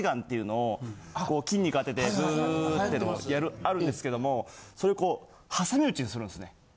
こう筋肉当ててズゥってのあるんですけどもそれをこう挟みうちにするんですね。